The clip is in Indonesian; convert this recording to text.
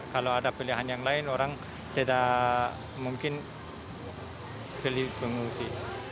kalau ada pilihan yang lain orang tidak mungkin pilih pengungsi